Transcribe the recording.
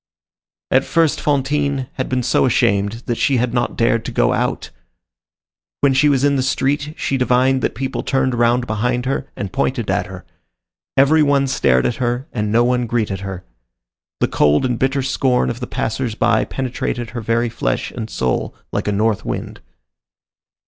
At first, Fantine had been so ashamed that she had not dared to go out. When she was in the street, she divined that people turned round behind her, and pointed at her; every one stared at her and no one greeted her; the cold and bitter scorn of the passers by penetrated her very flesh and soul like a north wind.